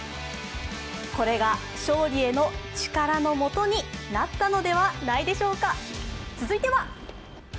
これが、勝利への力の素になったのではないでしょうか。